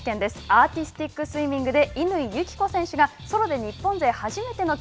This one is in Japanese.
アーティスティックスイミングで乾友紀子選手がソロで日本勢初めての